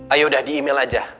ayo udah di email aja